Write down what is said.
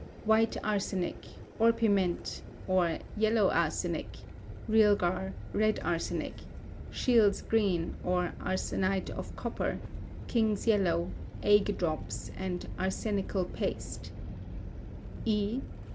(_White arsenic; orpiment, or yellow arsenic; realgar, red arsenic; Scheele's green, or arsenite of copper; King's yellow; ague drops_; and arsenical paste.) E.